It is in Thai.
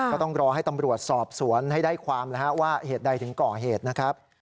ก็ต้องรอให้ตำรวจสอบสวนให้ได้ความว่าเหตุใดถึงก่อเหตุนะครับ